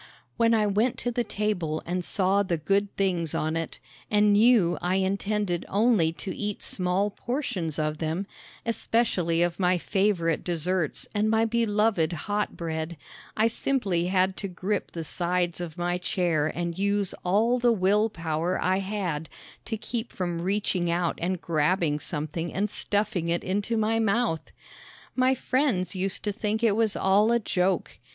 When I went to the table and saw the good things on it, and knew I intended only to eat small portions of them, especially of my favorite desserts and my beloved hot bread, I simply had to grip the sides of my chair and use all the will power I had to keep from reaching out and grabbing something and stuffing it into my mouth! My friends used to think it was all a joke.